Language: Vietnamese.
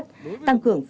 tăng cường các nền kinh tế